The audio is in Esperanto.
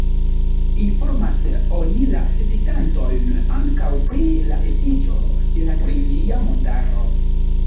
Informas oni la vizitantojn ankaŭ pri la estiĝo de la turingia montaro.